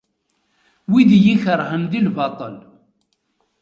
Wid i iyi-ikerhen di lbaṭel.